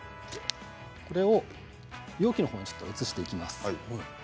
これを容器のほうに移していきます。